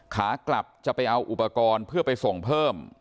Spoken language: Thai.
ขากลับจะไปเอาอุปกรณ์เพื่อไปส่งเพิ่ม